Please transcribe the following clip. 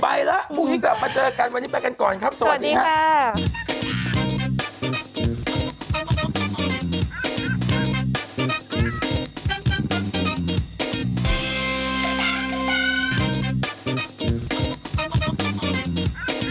ไปแล้วพูดถึงครับมาเจอกันวันนี้ไปกันก่อนครับสวัสดีค่ะ